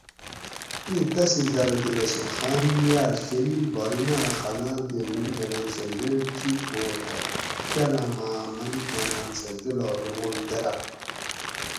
اِیں تحصیلداۤرہ تے رسول خان میاۤں شریک بحریناۤں خاناۤن تے ملیکاۤناۤن سہ لینڑ چیگ ھوں تھہ کاۤلاۤماۤں ملیکاۤناۤن سہ جولاگ روان کۤراۤ